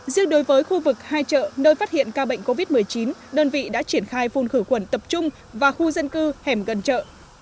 riêng đối với khu vực hai chợ nơi phát hiện ca bệnh covid một mươi chín đơn vị đã triển khai phun khử quần tập trung và khu dân cư hẻm gần chợ